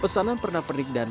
pesanan pernak pernik dan